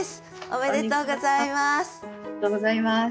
おめでとうございます。